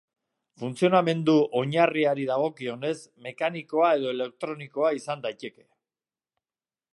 Funtzionamendu oinarriari dagokionez, mekanikoa edo elektronikoa izan daiteke.